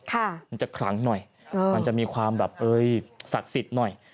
มันจะขลังหน่อยมันจะมีความแบบเอ้ยศักดิ์สิทธิ์หน่อย